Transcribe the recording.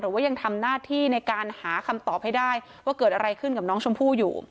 ว่ายังทำหน้าที่ในการหาคำตอบให้ได้ว่าเกิดอะไรขึ้นกับน้องชมพู่อยู่